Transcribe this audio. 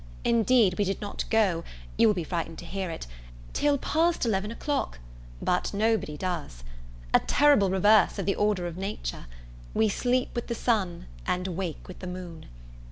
Indeed, we did not go you will be frightened to hear it till past eleven o'clock: but no body does. A terrible reverse of the order of nature! We sleep with the sun, and wake with the moon.